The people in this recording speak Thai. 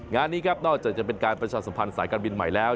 งานนี้ครับนอกจากจะเป็นการประชาสัมพันธ์สายการบินใหม่แล้ว